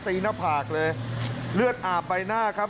หน้าผากเลยเลือดอาบใบหน้าครับ